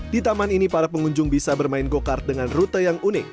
di taman ini para pengunjung bisa bermain go kart dengan rute yang unik